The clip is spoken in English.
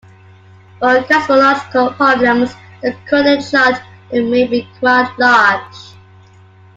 For cosmological problems, a coordinate chart may be quite large.